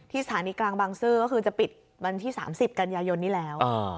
สถานีกลางบางซื่อก็คือจะปิดวันที่๓๐กันยายนนี้แล้ว